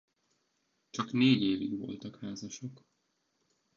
Csak négy évig voltak házasok.